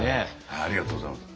ありがとうございます。